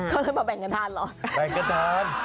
ก็เลยมาแบ่งกันทานหรอ